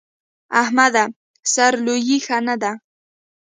احمده! سر لويي ښه نه ده.